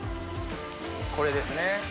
これですね